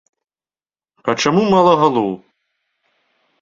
А чаму мала галоў?!